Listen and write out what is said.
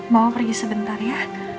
mama pergi sebentar ya